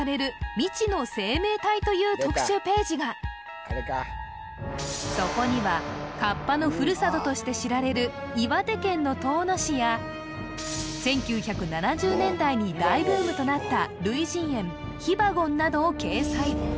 未知の生命体という特集ページがそこには河童のふるさととして知られる岩手県の遠野市や１９７０年代に大ブームとなった類人猿ヒバゴンなどを掲載